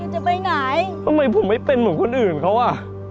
จะไปไหนก็ไม่ไปเป็นเหมือนคนอื่นเขาว่ะ